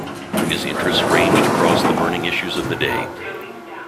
His interests ranged across the burning issues of the day.